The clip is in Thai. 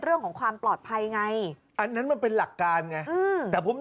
เรื่องของความปลอดภัยไงอันนั้นมันเป็นหลักการไงอืมแต่ผม